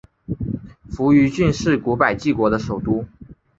扶余郡是古百济国的首都。